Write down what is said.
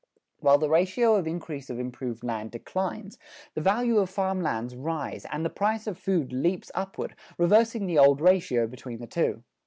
While the ratio of increase of improved land declines, the value of farm lands rise and the price of food leaps upward, reversing the old ratio between the two.